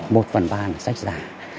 một phần ba là sách giả